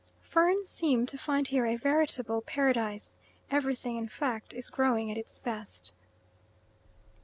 Ferns seem to find here a veritable paradise. Everything, in fact, is growing at its best.